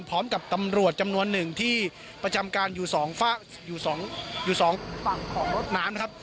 พร้อมกับตำรวจจำนวนหนึ่งที่ประจำการอยู่สองฝั่งของรถน้ำนะครับ